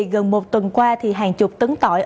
gần một tuần qua thì hàng chục tấn tỏi